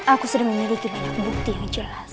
aku sudah memiliki banyak bukti yang jelas